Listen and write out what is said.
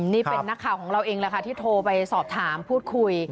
นี่เป็นนักข่าวของเราเองแหละค่ะที่โทรไปสอบถามพูดคุย